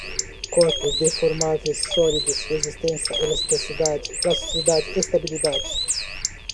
Corpos deformáveis, sólidos, resistência, elasticidade, plasticidade, estabilidade